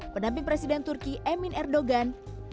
pendamping presiden turki emin erdogan